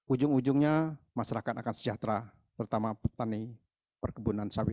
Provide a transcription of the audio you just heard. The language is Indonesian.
ujung ujungnya masyarakat akan sejahtera terutama petani perkebunan sawit